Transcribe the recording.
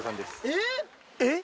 えっ！？